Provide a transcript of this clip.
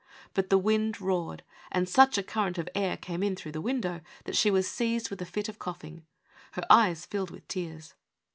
But the wind roared, and such a current of air came in through the window that she was seized with a fit of coughing. Her eyes filled with tears.